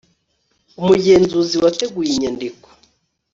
umugenzuzi wateguye inyandiko